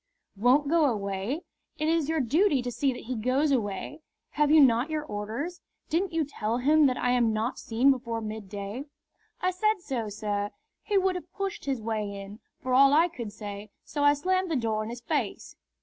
"Won't go away? It is your duty to see that he goes away. Have you not your orders? Didn't you tell him that I am not seen before midday?" "I said so, sir. He would have pushed his way in, for all I could say, so I slammed the door in his face."